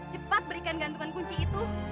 cepat berikan gantungan kunci itu